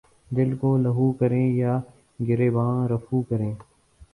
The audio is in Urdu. دل کو لہو کریں یا گریباں رفو کریں